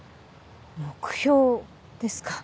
目標ですか。